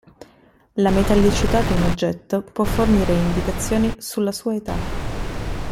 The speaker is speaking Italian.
La metallicità di un oggetto può fornire indicazioni sulla sua età.